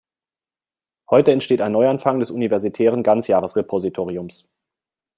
Heute entsteht ein Neuanfang des universitären Ganzjahresrepositoriums.